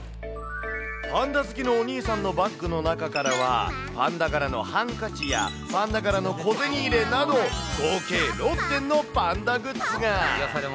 パンダ好きのお兄さんのバッグの中からは、パンダ柄のハンカチやパンダ柄の小銭入れなど、合計６点のパンダグッズが。